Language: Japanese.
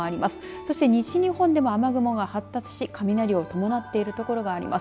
そして西日本でも雨雲が発達し雷を伴っている所があります。